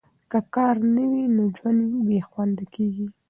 که کار نه وي، نو ژوند بې خونده کیږي.